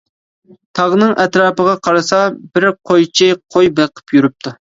تاغنىڭ ئەتراپىغا قارىسا بىر قويچى قوي بېقىپ يۈرۈپتۇ.